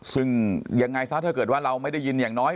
ซึ่งยังไงซะถ้าเกิดว่าเราไม่ได้ยินอย่างน้อย